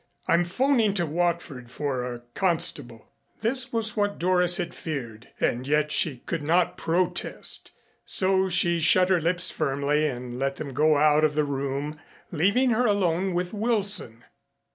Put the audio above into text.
I'm 'phoning to Watford for a constable." This was what Doris had feared and yet she could not protest. So she shut her lips firmly and let them go out of the room, leaving her alone with Wilson.